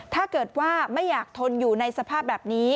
ถ้าเกิดว่าไม่อยากทนอยู่ในสภาพแบบนี้